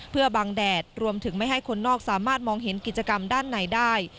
เพื่อบังแดดรวมถึงไม่ให้คนนอกสามารถมองเห็นกิจกรรมด้านในได้